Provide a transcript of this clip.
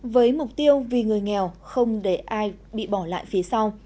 với mục tiêu vì người nghèo không để ai bị bỏ lại phía sau